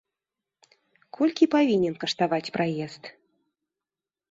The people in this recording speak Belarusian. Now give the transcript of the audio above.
Колькі павінен каштаваць праезд?